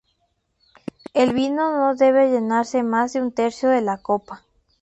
El vino no debe llenarse más de un tercio de la copa.